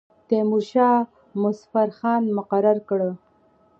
تیمورشاه مظفر خان مقرر کړ.